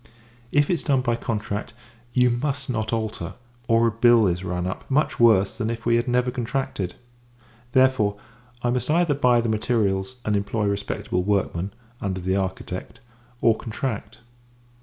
If it is done by contract, you must not alter; or a bill is run up, much worse than if we had never contracted. Therefore, I must either buy the materials, and employ respectable workmen, under the architect; or, contract.